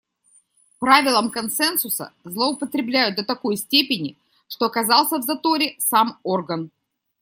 Правилом консенсуса злоупотребляют до такой степени, что оказался в заторе сам орган.